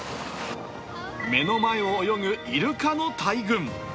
目の前を泳ぐイルカの大群。